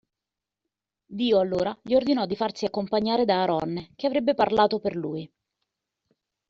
Dio allora gli ordinò di farsi accompagnare da Aronne, che avrebbe parlato per lui.